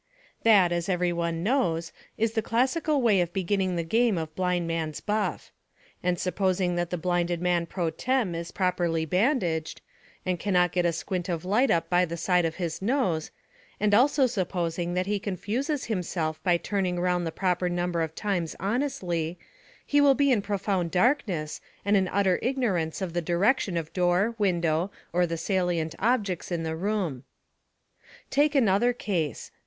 That, as everyone knows, is the classical way of beginning the game of Blind Man's Buff; and supposing that the blinded man pro tem, is properly bandaged, and cannot get a squint of light up by the side of his nose, and also supposing that he confuses himself by turning round the proper number of times honestly, he will be in profound darkness, and in utter ignorance of the direction of door, window, or the salient objects in the room. Take another case.